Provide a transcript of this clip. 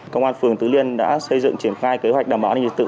công an phường tứ liên đã xây dựng triển khai kế hoạch đảm bảo an ninh trật tự